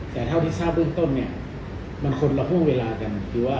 แต่เท่าที่ทราบเบื้องต้นเนี่ยมันคนละห่วงเวลากันคือว่า